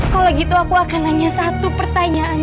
kalau gitu aku akan nanya satu pertanyaan